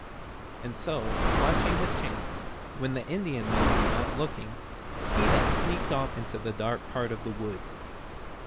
And so, watching his chance, when the Indian men were not looking, Keedah sneaked off into the dark part of the woods.